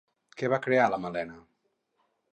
Què va crear la Malena?